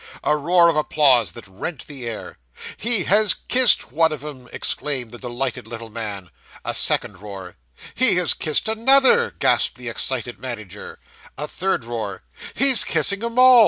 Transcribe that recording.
A roar of applause that rent the air. 'He has kissed one of 'em!' exclaimed the delighted little man. A second roar. 'He has kissed another,' gasped the excited manager. A third roar. 'He's kissing 'em all!